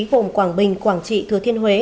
vùng quảng bình quảng trị thừa thiên huế